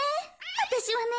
わたしはね